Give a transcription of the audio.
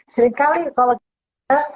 seringkali kalau kita